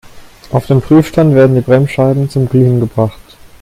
Auf dem Prüfstand werden die Bremsscheiben zum Glühen gebracht.